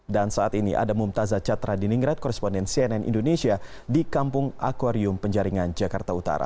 dan saat ini ada mumtazat catra di ninggerat koresponden cnn indonesia di kampung akwarium penjaringan jakarta utara